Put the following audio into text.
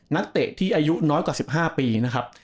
นักเตะที่อายุน้อยกว่า๑๕ปีนะครับ